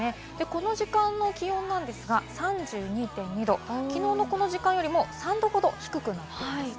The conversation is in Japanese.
この時間の気温ですが、３２．２度、きのうのこの時間よりも３度ほど低くなっています。